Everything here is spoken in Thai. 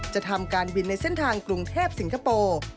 จะทำการบินในเส้นทางกรุงเทพสิงคโปร์